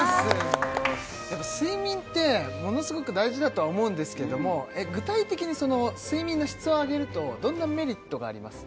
睡眠ってものすごく大事だとは思うんですけども具体的に睡眠の質を上げるとどんなメリットがあります？